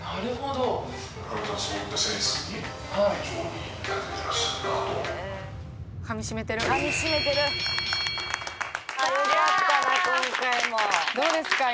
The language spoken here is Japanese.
どうですか？